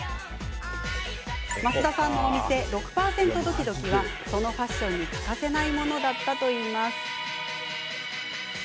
増田さんのお店６％ＤＯＫＩＤＯＫＩはそのファッションに欠かせないものだったといいます。